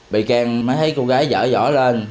vị can mới thấy cô gái dở dõi lên